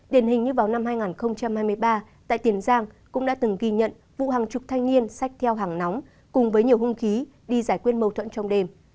điển hình như vào năm hai nghìn hai mươi ba tại tiền giang cũng đã từng ghi nhận vụ hàng chục thanh niên sách theo hàng nóng cùng với nhiều hung khí đi giải quyết mâu thuẫn trong đêm